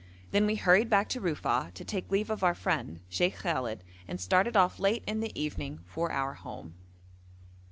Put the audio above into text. Then we hurried back to Rufa'a, to take leave of our friend, Sheikh Khallet, and started off late in the evening for our home.